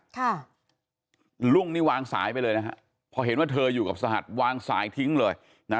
ค่ะลุงนี่วางสายไปเลยนะฮะพอเห็นว่าเธออยู่กับสหัสวางสายทิ้งเลยนะ